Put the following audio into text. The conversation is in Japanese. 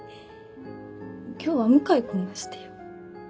今日は向井君がしてよ。